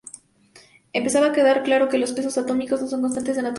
Empezaba a quedar claro que los pesos atómicos no son constantes de naturaleza.